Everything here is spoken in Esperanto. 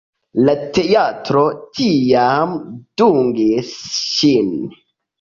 La teatro tiam dungis ŝin.